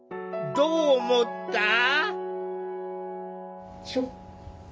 どう思った？